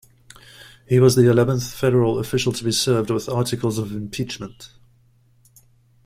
He was the eleventh federal official to be served with articles of Impeachment.